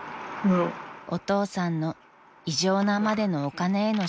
［お父さんの異常なまでのお金への執着でした］